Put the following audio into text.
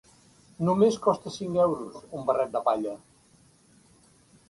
Només costa cinc euros, un barret de palla.